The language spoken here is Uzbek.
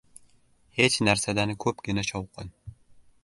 • Hech narsadan ko‘pgina shovqin.